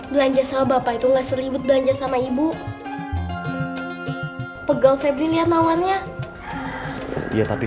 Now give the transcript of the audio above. belanja sama bapak itu nggak seribut belanja sama ibu pegal febri lihat lawannya ya tapi